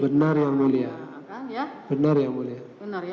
benar yang mulia benar yang mulia